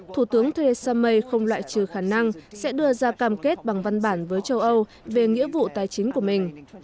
thủ tướng theresa may không loại trừ khả năng sẽ đưa ra cam kết bằng văn bản với châu âu về nghĩa vụ tài chính của mình